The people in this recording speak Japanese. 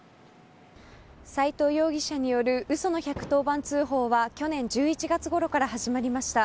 斉藤容疑者による嘘の１１０番通報は去年１１月ごろから始まりました。